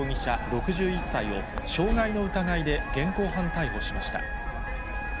６１歳を、傷害の疑いで現行犯逮捕しました。